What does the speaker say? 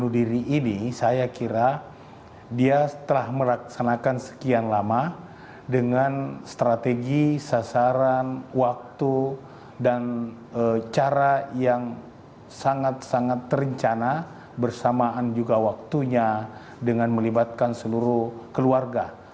jadi ini saya kira dia telah melaksanakan sekian lama dengan strategi sasaran waktu dan cara yang sangat sangat terencana bersamaan juga waktunya dengan melibatkan seluruh keluarga